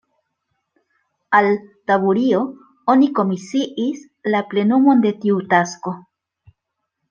Al Taburio oni komisiis la plenumon de tiu tasko.